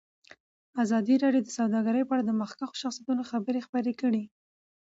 ازادي راډیو د سوداګري په اړه د مخکښو شخصیتونو خبرې خپرې کړي.